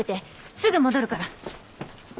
すぐ戻るから。